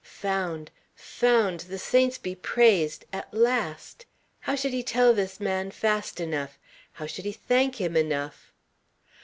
Found! Found, the saints be praised, at last! How should he tell this man fast enough? How should he thank him enough?